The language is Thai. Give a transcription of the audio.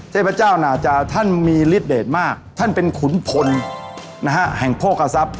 เทพเจ้าน่าจะท่านมีฤทธเดชมากท่านเป็นขุนพลนะฮะแห่งโภคทรัพย